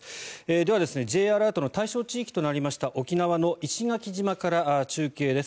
では、Ｊアラートの対象地域となりました沖縄の石垣島から中継です。